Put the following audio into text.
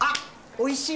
おいしい